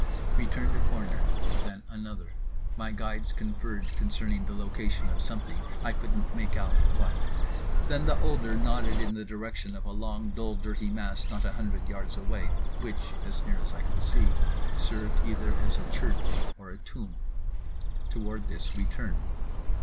We turned a corner, then another. My guides conferred concerning the location of something, I couldn't make out what. Then the older nodded in the direction of a long dull dirty mass not a hundred yards away, which (as near as I could see) served either as a church or a tomb. Toward this we turned.